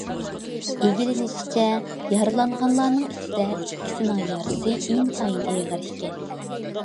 ئىگىلىنىشىچە، يارىلانغانلارنىڭ ئىچىدە ئىككىسىنىڭ يارىسى ئىنتايىن ئېغىر ئىكەن.